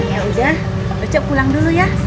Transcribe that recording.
ya udah cocok pulang dulu ya